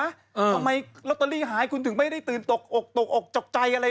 ทำไมลอตเตอรี่หายคุณถึงไม่ได้ตื่นตกอกตกอกตกใจอะไร